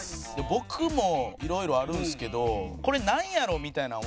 僕も色々あるんですけどこれなんやろう？みたいなんは。